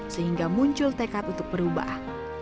sehingga muncul tekad untuk berubah